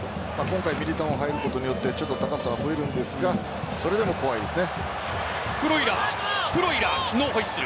今回ミリトンが入ることによってちょっと高さは増えるんですがそれでも怖いですね。